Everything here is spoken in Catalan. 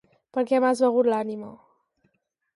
Perquè m'has begut l'ànima...